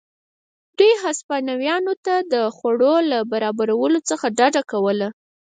دوی هسپانویانو ته د خوړو له برابرولو څخه ډډه کوله.